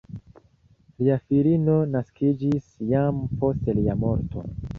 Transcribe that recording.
Lia filino naskiĝis jam post lia morto.